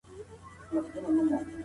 په مینه کي دروغ مه وایه.